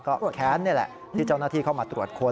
ก็แค้นนี่แหละที่เจ้าหน้าที่เข้ามาตรวจค้น